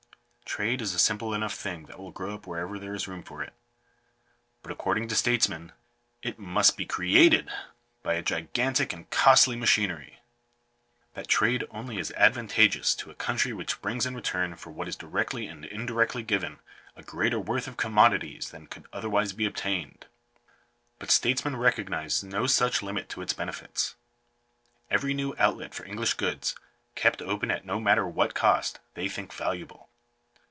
Trade is a simple enough thing that will grow up wherever there is room for it. But, according to statesmen, it must be created by a gigantic and costly machinery. That trade only is advantageous to a country which brings in return for what is directly and indirectly given, a greater worth of commodities than could otherwise be obtained. But statesmen recognise no such limit to its benefits. Every new outlet for English goods, kept open at no matter what oost, they think valuable.